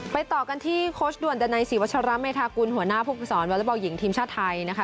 ไปต่อกันที่โคชด่วนดันไนสีวัชรัมย์เมธากุลหัวหน้าภูมิสอนแวลบอกหญิงทีมชาติไทยนะคะ